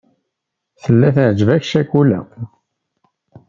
Tella teεǧeb-ak ccakula.